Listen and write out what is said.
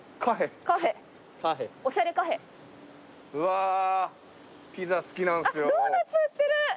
あっドーナツ売ってる！